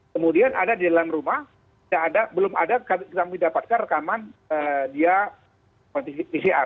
kemudian ada di dalam rumah belum ada kami dapatkan rekaman dia pcr